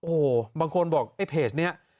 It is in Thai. โอ้โหบางคนบอกไอ้เพจนี้